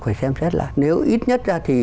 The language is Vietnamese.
phải xem xét lại nếu ít nhất ra thì